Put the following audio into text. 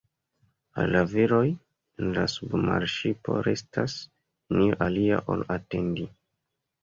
Al la viroj en la submarŝipo restas nenio alia ol atendi.